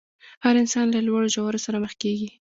هر انسان له لوړو ژورو سره مخ کېږي.